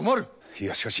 いやしかし。